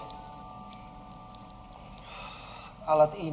aku sudah pernah melihat batu ini